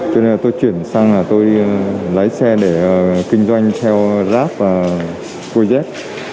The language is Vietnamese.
cho nên là tôi chuyển sang là tôi lái xe để kinh doanh theo rap và cojet